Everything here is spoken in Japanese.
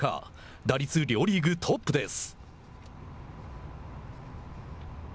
打率両リーグトップです。